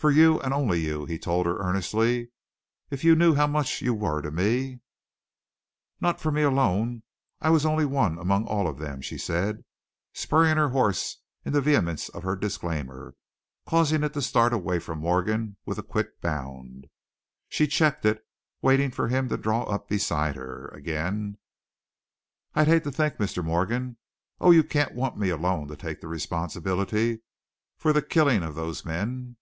"For you, and only you," he told her, earnestly. "If you knew how much you were to me " "Not for me alone I was only one among all of them," she said, spurring her horse in the vehemence of her disclaimer, causing it to start away from Morgan with quick bound. She checked it, waiting for him to draw up beside her again. "I'd hate to think, Mr. Morgan oh, you can't want me alone to take the responsibility for the killing of those men!"